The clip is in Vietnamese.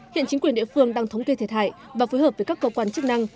hiện chính quyền địa phương đang thống kê thiệt hại và phối hợp với các cơ quan chức năng